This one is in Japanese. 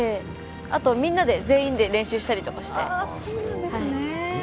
あと全員で練習したりとかして。